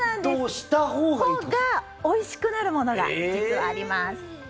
したほうがおいしくなるものが実はあります。